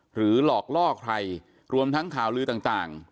หลอกล่อใครรวมทั้งข่าวลือต่าง